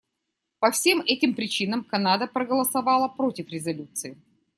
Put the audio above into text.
По всем этим причинам Канада проголосовала против резолюции.